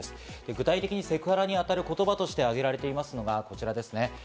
具体的にセクハラに当たる言葉として挙げられていますのがこちらですね。